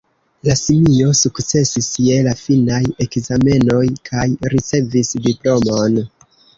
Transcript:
La simio sukcesis je la finaj ekzamenoj, kaj ricevis diplomon.